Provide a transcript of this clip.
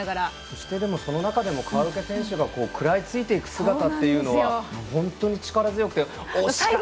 そして、その中でも川除選手が食らいついていく姿っていうのは本当に力強くて。